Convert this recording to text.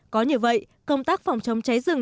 có như vậy công tác phòng chống cháy rừng